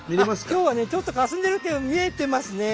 今日はねちょっとかすんでるけど見えてますね。